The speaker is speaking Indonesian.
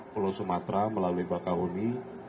pulau sumatra melalui bakauni